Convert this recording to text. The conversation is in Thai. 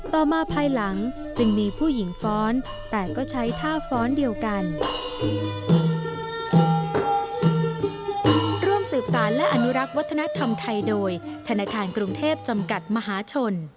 ต่อมาภายหลังจึงมีผู้หญิงฟ้อนแต่ก็ใช้ท่าฟ้อนเดียวกัน